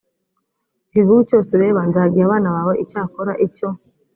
iki gihugu cyose ureba nzagiha abana bawe icyakora icyo